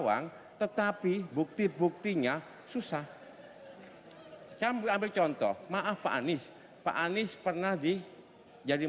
ini dari tempat tempat tetapi bukti buktinya susah saya ambil contoh maaf pak anies pak anies pernah dijadikan